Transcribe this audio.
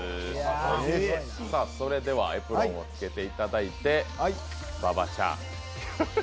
エプロンを着けていただいて、馬場ちゃん。